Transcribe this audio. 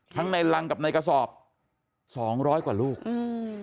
ในรังกับในกระสอบสองร้อยกว่าลูกอืม